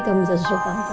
kamu bisa susul tante